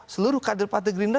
seluruh kader kader gerindra